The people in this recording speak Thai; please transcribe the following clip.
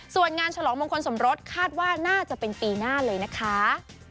ส่วนงานฉลองมงคลสมรสคาดว่าน่าจะเป็นปีหน้าเลยนะคะ